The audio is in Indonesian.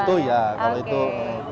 kalau itu ya